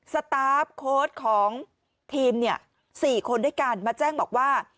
สตาร์ฟโค้ดของทีม๔คนด้วยกันมาแจ้งบอกว่า